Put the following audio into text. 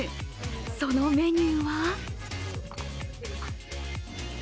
そのメニューは？